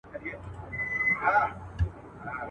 په دربار كي جنرالانو بيعت وركړ.